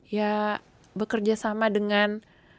ya bekerja sama dengan